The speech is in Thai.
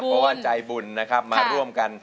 เพราะว่าใจบุญนะครับมาร่วมกัน